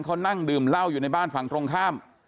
เขานั่งดื่มเหล้าอยู่ในบ้านฝั่งตรงข้าม